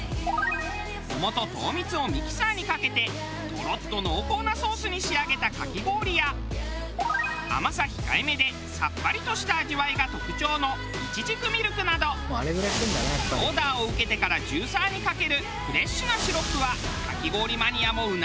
桃と糖蜜をミキサーにかけてトロッと濃厚なソースに仕上げたかき氷や甘さ控えめでさっぱりとした味わいが特徴のいちじくミルクなどオーダーを受けてからジューサーにかけるフレッシュなシロップはかき氷マニアもうなるほど。